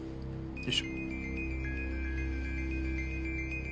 よいしょ。